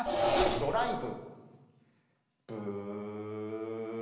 「ドライブ」。